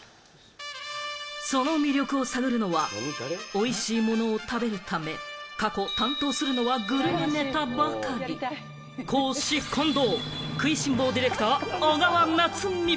その魅力を探るのは、おいしいものを食べるため、過去、担当するのはグルメネタばかり、公私混同、食いしん坊ディレクター・小川夏実。